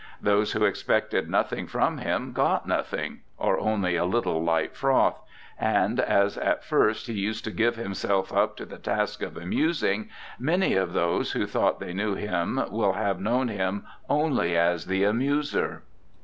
Those who expected nothing from him got nothing, or only a little light froth, and as at first he used to give himself up to the task of amusing, many of those who thought they knew him will have known him only as the amuser.